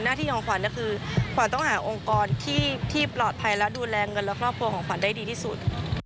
ที่ยอมขวัญก็คือขวัญต้องหาองค์กรที่ปลอดภัยและดูแลเงินและครอบครัวของขวัญได้ดีที่สุด